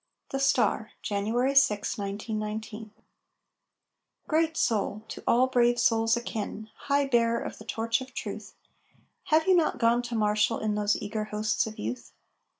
THE STAR [January 6, 1919] Great soul, to all brave souls akin, High bearer of the torch of truth, Have you not gone to marshal in Those eager hosts of youth?